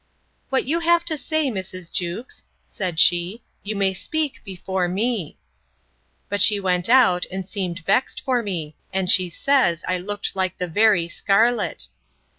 What you have to say, Mrs. Jewkes, said she, you may speak before me. But she went out, and seemed vexed for me; and she says, I looked like the very scarlet.